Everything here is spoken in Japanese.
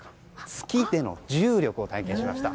月での重力を体験しました。